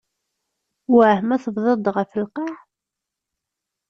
Wah ma tebdiḍ-d ɣef lqaε?